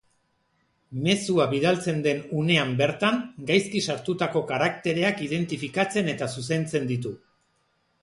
Mezua bidaltzen den unean bertan, gaizki sartutako karaktereak identifikatzen eta zuzentzen ditu.